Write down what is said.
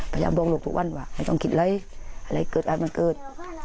พยายามบอกลูกทุกวันว่าไม่ต้องคิดอะไรอะไรเกิดอะไรมันเกิด